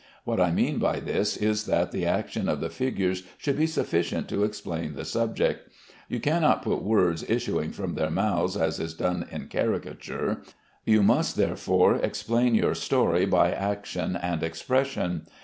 What I mean by this is that the action of the figures should be sufficient to explain the subject. You cannot put words issuing from their mouths as is done in caricature, you must therefore explain your story by action and expression.